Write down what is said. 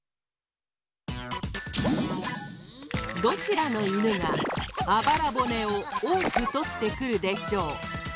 どちらのいぬがあばら骨をおおくとってくるでしょう？